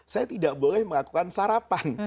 saya tidak boleh melakukan sarapan